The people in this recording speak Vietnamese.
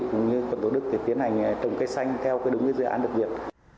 cũng như quận tổ đức thì tiến hành trồng cây xanh theo cái đúng cái dự án đặc biệt